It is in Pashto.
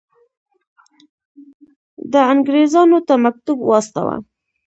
ده انګرېزانو ته مکتوب واستاوه.